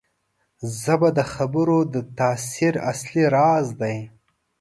ژبه د خبرو د تاثیر اصلي راز دی